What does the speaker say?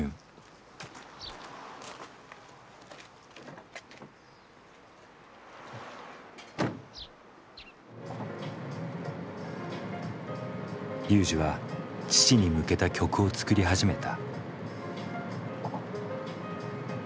ＲＹＵＪＩは父に向けた曲を作り始めた。